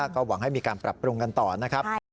ก็หวังให้มีการปรับปรุงกันต่อนะครับ